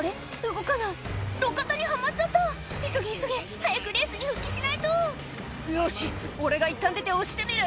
動かない路肩にはまっちゃった急げ急げ早くレースに復帰しないと「よし俺がいったん出て押してみる！」